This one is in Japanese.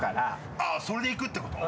あっそれでいくってこと？